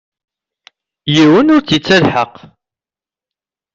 Yiwen ur tt-ittelḥaq.